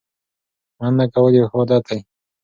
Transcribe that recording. مننه کول یو ښه عادت دی.